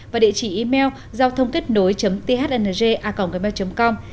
và địa chỉ email giao thông kết nối thng com